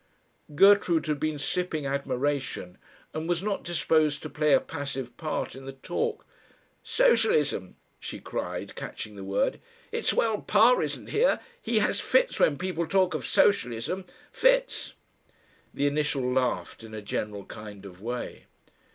Gertrude had been sipping admiration and was not disposed to play a passive part in the talk. "Socialism!" she cried, catching the word. "It's well Pa isn't here. He has Fits when people talk of socialism. Fits!" The initial laughed in a general kind of way.